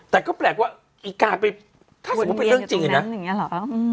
แต่ก็แปลกว่าอีกาเป็นใส่เปิดเป็นเรื่องจริงนะอย่งงี้หรออืม